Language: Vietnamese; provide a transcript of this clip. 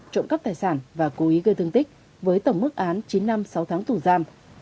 trộm cắp tài sản và cố ý gây thương tích với tổng mức án chín năm sáu tháng tù giam